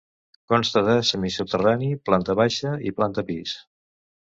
Consta de semisoterrani, planta baixa i planta pis.